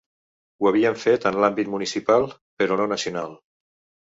Ho havíem fet en l’àmbit municipal, però no nacional.